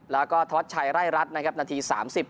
แล้วก็ทอดชัยไร่รัฐนะครับนาทีสามสิบ